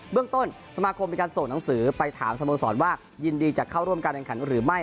เรื่องต้นสมาคมมีการส่งหนังสือไปถามสโมสรว่ายินดีจะเข้าร่วมการแข่งขันหรือไม่